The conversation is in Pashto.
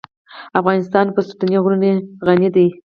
افغانستان په ستوني غرونه غني دی.